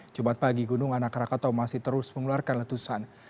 jumat pagi gunung anak rakatau masih terus mengeluarkan letusan